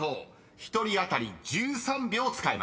［１人当たり１３秒使えます］